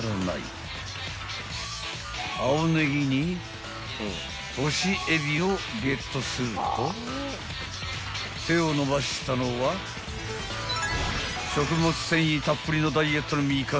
［青ねぎに干しえびをゲットすると手を伸ばしたのは食物繊維たっぷりのダイエットの味方